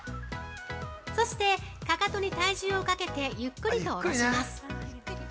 そしてかかとに体重をかけてゆっくりと下ろします。